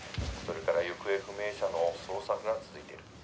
それから行方不明者の捜索が続いている